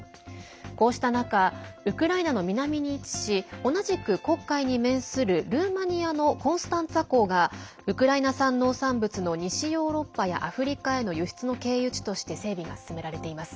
こうした中ウクライナの南に位置し同じく黒海に面するルーマニアのコンスタンツァ港がウクライナ産農産物の西ヨーロッパやアフリカへの輸出の経由地として整備が進められています。